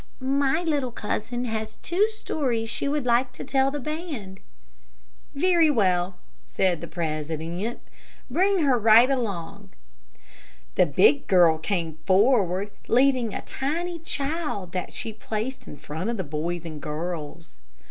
"My little cousin has two stories that she would like to tell the band." "Very well," said the president; "bring her right along." The big girl came forward, leading a tiny child that she placed in front of the boys and girls.